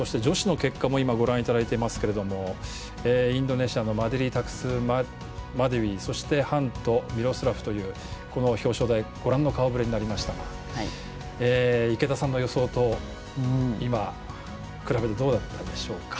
そして女子の結果ですがインドネシアのマデリタクスマデウィそしてハント、ミロスラフという表彰台、ご覧の顔ぶれになりましたが池田さんの予想と今、比べてどうだったでしょうか？